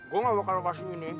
gue nggak mau ke lokasi ini